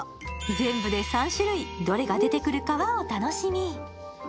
全部で３種類、どれが出てくるのかはお楽しみ。